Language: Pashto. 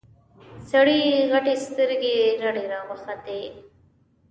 سړي غتې سترګې رډې راوختې.